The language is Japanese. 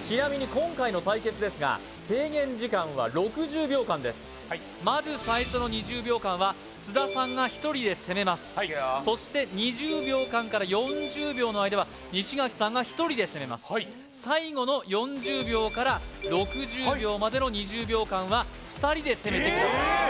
ちなみに今回の対決ですが制限時間は６０秒間ですまず最初の２０秒間は津田さんが１人で攻めますそして２０秒間から４０秒の間は西垣さんが１人で攻めます最後の４０秒から６０秒までの２０秒間は２人で攻めてください２人？